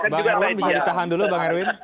pak erwin bisa ditahan dulu pak erwin